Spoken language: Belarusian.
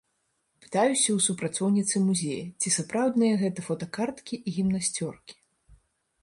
Пытаюся ў супрацоўніцы музея, ці сапраўдныя гэта фотакарткі і гімнасцёркі?